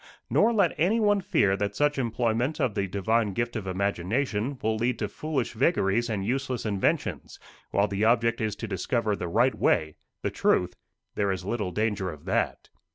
Nor let anyone fear that such employment of the divine gift of imagination will lead to foolish vagaries and useless inventions; while the object is to discover the right way the truth there is little danger of that.